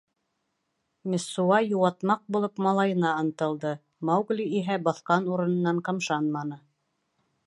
Мессуа, йыуатмаҡ булып, малайына ынтылды, Маугли иһә баҫҡан урынынан ҡымшанманы.